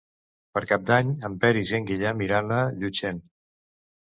Per Cap d'Any en Peris i en Guillem iran a Llutxent.